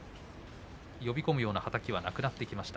呼び込むようなはたきはなくなってきました。